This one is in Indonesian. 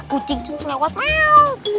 kucing tuh lewat mew